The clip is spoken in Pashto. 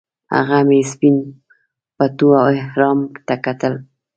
هغه مې سپین پټو او احرام ته کتل.